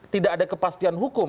tidak ada kepastian hukum